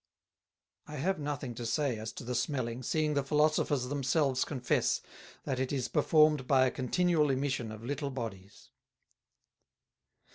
"I have nothing to say, as to the Smelling, seeing the Philosophers themselves confess, that it is performed by a continual Emission of little Bodies.